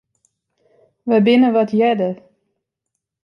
Wy binne wat earder.